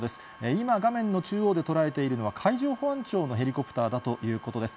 今、画面の中央で捉えているのは海上保安庁のヘリコプターだということです。